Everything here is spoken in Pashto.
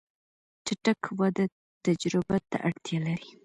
چټک وده تجربه ته اړتیا لري.